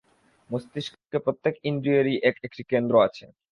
মস্তিষ্কে প্রত্যেক ইন্দ্রিয়েরই এক-একটি কেন্দ্র আছে।